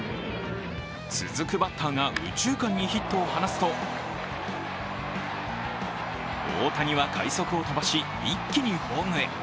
続くバッターが右中間にヒットを放つと大谷は快足を飛ばし一気にホームへ。